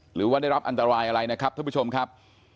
หรือว่าได้รับอันตรายอะไรนะครับท่านผู้ชมครับ